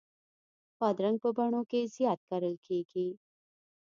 بادرنګ په بڼو کې زیات کرل کېږي.